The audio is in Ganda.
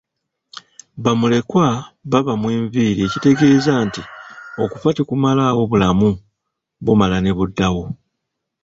Ba mulekwa babamwa enviiri ekitegeeza nti okufa tekumalaawo bulamu, bumala ne buddawo.